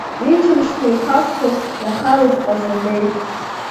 Иџьымшьқәа ихагәҭахь иахалеит Ҟазылбеи.